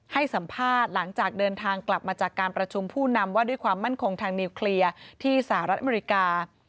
ให้สัมภาษณ์หลังจากเดินทางกลับมาจากการประชุมผู้นำว่าด้วยความมั่นคงทางนิวเคลียร์ที่สหรัฐอเมริกา